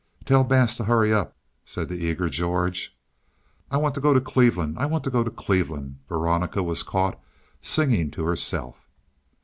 "Tell Bass to hurry up," said the eager George. "I want to go to Cleveland, I want to go to Cleveland," Veronica was caught singing to herself.